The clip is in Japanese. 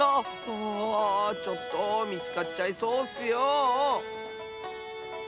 あちょっとみつかっちゃいそうッスよ！